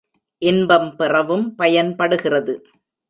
இன்பம் பெறவும் பயன்படுகிறது.